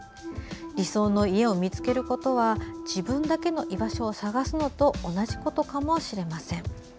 理想の家を見つけることは自分だけの居場所を探すのと同じことかもしれません。